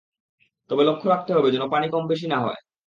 তবে লক্ষ্য রাখতে হবে যেন পানি কম-বেশি না হয়।